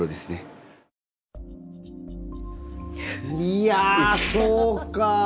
いやそうか！